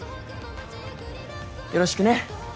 よろしくね。